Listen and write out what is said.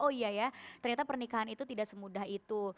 oh iya ya ternyata pernikahan itu tidak semudah itu